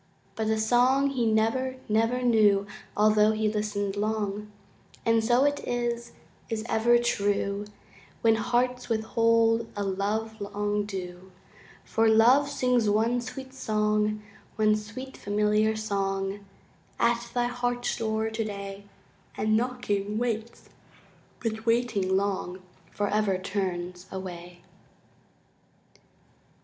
But the song he never, never knew Altho' he listened long, And so it is is ever true When hearts withhold a love long due; For Love sings one sweet song, One sweet familiar song, At thy heart's door today, And knocking, waits, but waiting long Forever turns away.